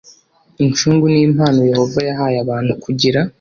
Incungu ni impano yehova yahaye abantu kugira